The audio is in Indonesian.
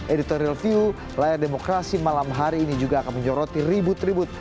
editorial view layar demokrasi malam hari ini juga akan menyoroti ribut ribut